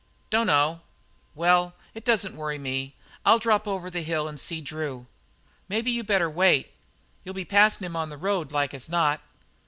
"Dunno." "Well, it doesn't worry me. I'll drop over the hill and see Drew." "Maybe you'd better wait. You'll be passin' him on the road, like as not."